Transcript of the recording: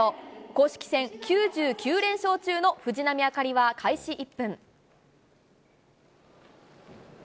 公式戦９９連勝中の藤波朱理は開始１分。